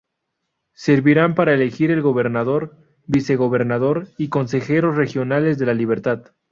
Servirán para elegir al gobernador, vicegobernador y consejeros regionales de La Libertad.